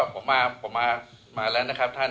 ผมมาแล้วนะครับท่าน